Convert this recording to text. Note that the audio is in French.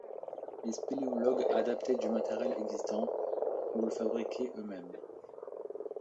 Les spéléologues adaptaient du matériel existant, ou le fabriquaient eux-mêmes.